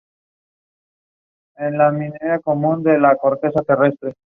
En La Música en el Perú.